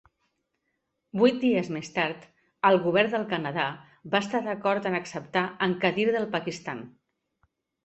Vuit dies més tard, el Govern del Canadà va estar d'acord en acceptar en Khadr del Pakistan.